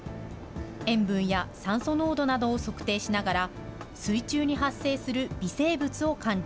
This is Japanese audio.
塩分や酸素濃度などを測定しながら、水中に発生する微生物を管理。